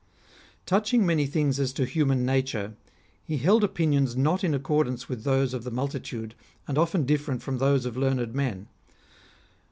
Touching many things as to human nature, he held opinions not in accordance with those of the multitude, and often different from those of learned men.